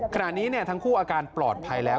ขณะนี้ทั้งคู่อาการปลอดภัยแล้ว